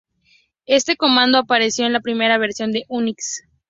Este comando apareció en la primera versión de Unix.